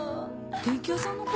電気屋さんのコ？